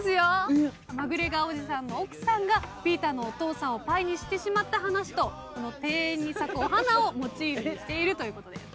マグレガーおじさんの奥さんがピーターのお父さんをパイにしてしまった話とこの庭園に咲くお花をモチーフにしているということです。